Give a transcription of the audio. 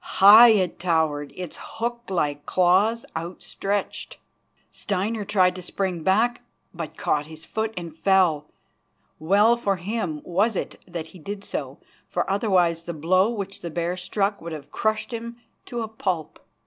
High it towered, its hook like claws outstretched. Steinar tried to spring back, but caught his foot, and fell. Well for him was it that he did so, for otherwise the blow which the bear struck would have crushed him to a pulp.